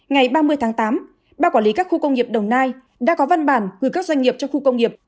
ngày ba mươi tháng tám ba quản lý các khu công nghiệp đồng nai đã có văn bản gửi các doanh nghiệp trong khu công nghiệp